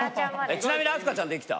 ちなみに明日香ちゃんできた？